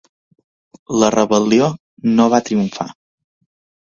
La rebel·lió no va triomfar.